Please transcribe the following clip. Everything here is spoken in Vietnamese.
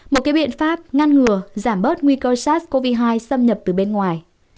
một cái biện pháp ngăn ngừa giảm bớt nguy cơ sars cov hai xâm nhập từ bên ngoài